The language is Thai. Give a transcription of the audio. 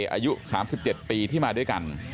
อายุ๓๗ปีที่มาด้วยกัน